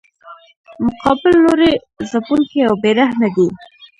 مقابل لوری ځپونکی او بې رحمه دی.